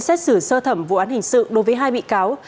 xét xử sơ thẩm vụ án hình sự đối với hai bị cáo